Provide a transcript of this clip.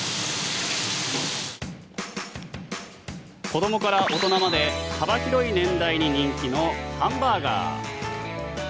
子どもから大人まで幅広い年代に人気のハンバーガー。